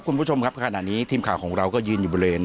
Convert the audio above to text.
คุณผู้ชมครับขณะนี้ทีมข่าวของเราก็ยืนอยู่บริเวณ